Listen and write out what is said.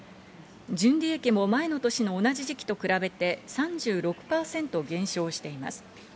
純利益も前の年の同じ時期と比べて３６％減少しています。